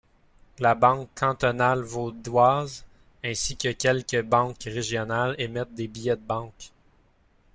La banque cantonale Vaudoise, ainsi que quelques banques régionales émettent des billets de banque.